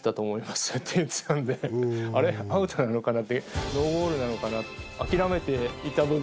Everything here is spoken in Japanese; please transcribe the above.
あれ⁉アウトなのかな。